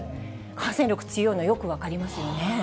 感染力強いの、よく分かりますよね。